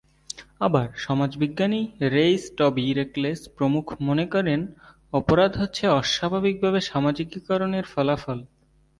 আবার সমাজবিজ্ঞানী Reiss, Toby, Reckless প্রমুখ মনে করেন অপরাধ হচ্ছে অস্বাভাবিকভাবে সামাজিকীকরণের ফলাফল।